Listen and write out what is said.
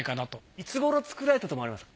いつごろ作られたと思われますか？